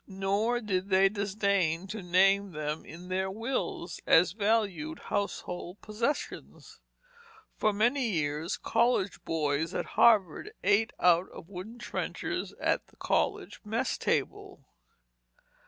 Nor did they disdain to name them in their wills, as valued household possessions. For many years college boys at Harvard ate out of wooden trenchers at the college mess table.